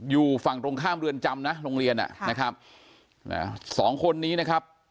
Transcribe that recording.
อยู่ฝั่งตรงข้ามเรือนจำนะโรงเรียนอ่ะนะครับสองคนนี้นะครับ